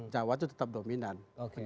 jawa itu tetap dominan